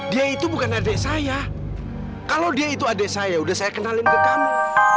dia itu bukan adik saya kalau dia itu adik saya udah saya kenalin ke kamu